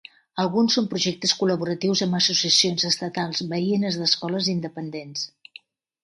Alguns són projectes col·laboratius amb associacions estatals veïnes d'escoles independents.